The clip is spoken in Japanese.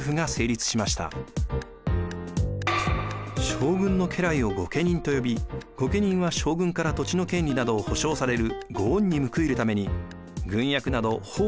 将軍の家来を御家人とよび御家人は将軍から土地の権利などを保証される御恩に報いるために軍役など奉公の義務を負いました。